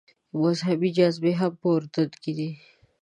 مذهبي جاذبې هم په اردن کې دي.